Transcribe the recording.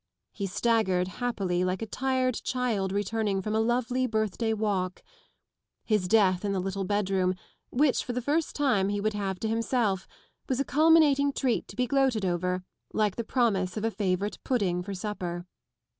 He staggered happily like a tired child returning from a lovely birthday walk : his death in the little bedroom, which for the first time he would have to himself, was a culminating treat to be gloated over like the promise of a favourite pudding for supper.